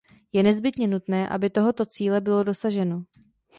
Je nezbytně nutné, aby tohoto cíle bylo dosaženo.